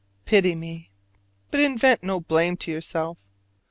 Pity me, but invent no blame to yourself.